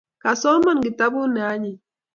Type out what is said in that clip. Kasoman kitabut ne anyiny